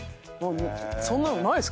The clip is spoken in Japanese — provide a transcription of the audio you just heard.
そんなのないですか？